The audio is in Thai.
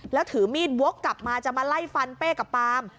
แล้วถือมีดวกกลับมาจะมาไล่ฟันเป้กับปาม